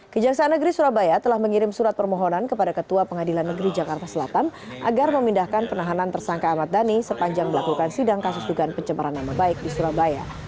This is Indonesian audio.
kejaksaan negeri surabaya telah mengirim surat permohonan kepada ketua pengadilan negeri jakarta selatan agar memindahkan penahanan tersangka ahmad dhani sepanjang melakukan sidang kasus dugaan pencemaran nama baik di surabaya